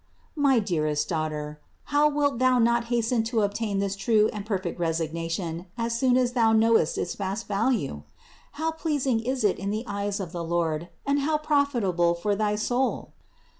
312. My dearest daughter, how wilt thou not hasten to obtain this true and perfect resignation as soon as thou knowest its vast value! How pleasing it is in the eyes of the Lord, and how profitable for thy soul!